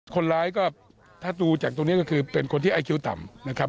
คนร้ายก็ถ้าดูจากตรงนี้ก็คือเป็นคนที่ไอคิวต่ำนะครับ